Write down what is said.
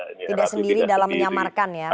tidak sendiri dalam menyamarkan ya